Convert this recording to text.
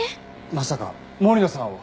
まさか森野さんを？